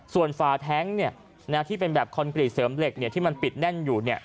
ส่วนฝาแท็งค์เนี่ยที่เป็นแบบคอนกรีตเสริมเหล็กเนี่ยที่มันปิดแน่นอยู่เนี่ย